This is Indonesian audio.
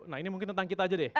nah ini mungkin tentang kita aja deh